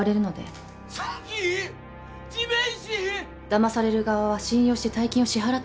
だまされる側は信用して大金を支払ってしまう。